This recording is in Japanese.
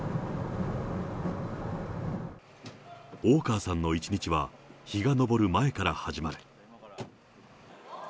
大川さんの１日は日が昇る前から始まる。